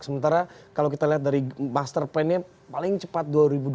sementara kalau kita lihat dari master plan nya paling cepat dua ribu dua puluh